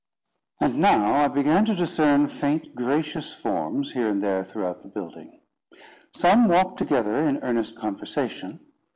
And now I began to discern faint, gracious forms, here and there throughout the building. Some walked together in earnest conversation.